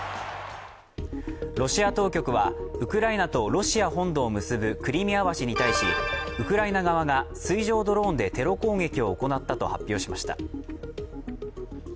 ロシア当局はウクライナとロシア本土を結ぶクリミア橋に対しウクライナ側が水上ドローンでテロ攻撃を行ったと発表しました。